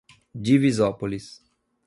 Divisópolis